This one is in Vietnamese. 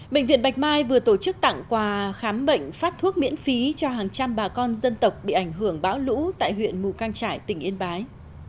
bệnh viện bạch mai vừa tổ chức tặng quà khám bệnh phát thuốc miễn phí cho hàng trăm bà con dân tộc bị ảnh hưởng bão lũ tại huyện mù căng trải tỉnh yên bái